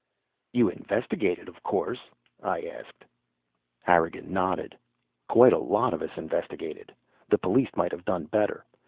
"You investigated, of course?" I asked. Harrigan nodded. "Quite a lot of us investigated. The police might have done better.